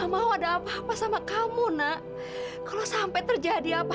gua kasih jantung lu minta apa